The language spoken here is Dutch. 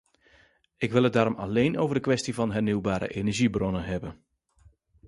Ik wil het daarom alleen over de kwestie van hernieuwbare energiebronnen hebben.